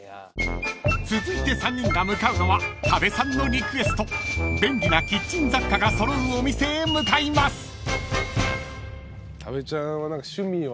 ［続いて３人が向かうのは多部さんのリクエスト便利なキッチン雑貨が揃うお店へ向かいます］